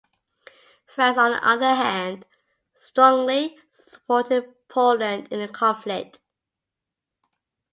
France, on the other hand, strongly supported Poland in the conflict.